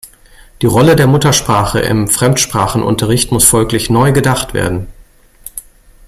Die Rolle der Muttersprache im Fremdsprachenunterricht muss folglich neu gedacht werden.